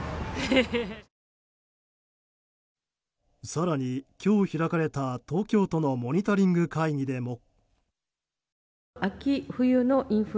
更に、今日開かれた東京都のモニタリング会議でも。